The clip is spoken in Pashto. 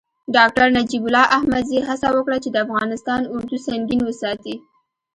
ډاکتر نجیب الله احمدزي هڅه وکړه چې د افغانستان اردو سنګین وساتي.